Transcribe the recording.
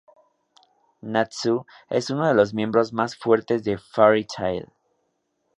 Natsu es uno de los miembros más fuertes de Fairy Tail.